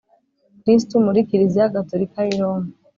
Kristu muri Kiliziya Gatolika y i Roma